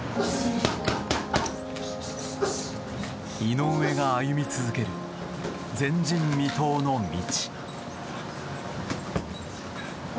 井上が歩み続ける前人未到の道。